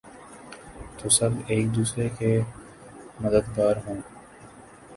تو سب ایک دوسرے کے مددگار ہوں۔